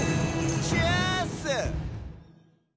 チェアース！